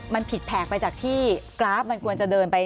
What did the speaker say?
มันผิดแผกไปจากที่กราฟมันควรจะเดินไป